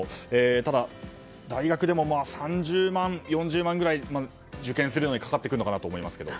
ただ、大学でも３０万、４０万ぐらい受験するのにかかってくるかなと思うんですけども。